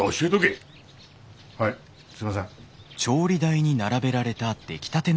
はいすいません。